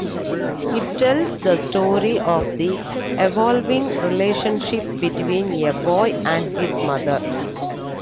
It tells the story of the evolving relationship between a boy and his mother.